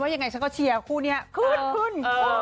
ว่าอย่างไรฉันก็เชียร์คู่นี้ขึ้น